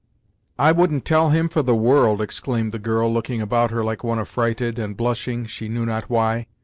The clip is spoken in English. "I wouldn't tell him, for the world!" exclaimed the girl, looking about her like one affrighted, and blushing, she knew not why.